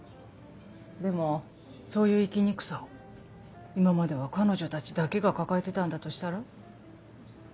でもそういう生きにくさを今までは彼女たちだけが抱えてたんだとしたら？